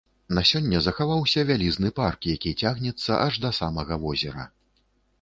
На сёння захаваўся вялізны парк, які цягнецца аж да самога возера.